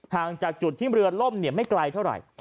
จากจุดที่เรือล่มไม่ไกลเท่าไหร่